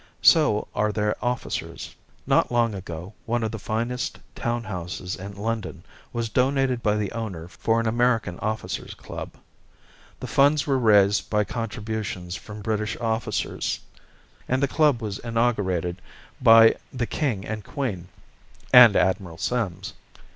So are their officers. Not long ago one of the finest town houses in London was donated by the owner for an American officers' club, the funds were raised by contributions from British officers, and the club was inaugurated by the King and Queen and Admiral Sims.